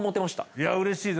いやうれしいぜ。